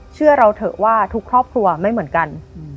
เชื่อเราเถอะว่าทุกครอบครัวไม่เหมือนกัน